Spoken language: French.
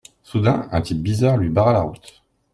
Soudain un type bizarre lui barra la route.